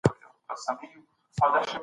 موږ د خپل ځان په پاک ساتلو بوخت یو.